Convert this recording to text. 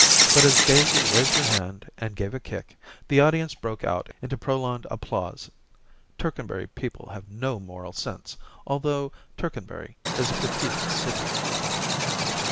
But as Daisy waved her hand and gave a kick, the audience broke out into prolonged applause ; Tercanbury people have no moral sense, although Tercanbury is a cathedral city.